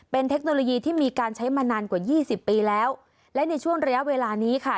เป็นเทคโนโลยีที่มีการใช้มานานกว่ายี่สิบปีแล้วและในช่วงระยะเวลานี้ค่ะ